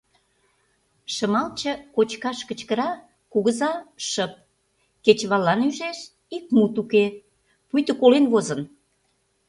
Шымалче кочкаш кычкыра — кугыза шып; кечываллан ӱжеш — ик мут уке, пуйто колен возын.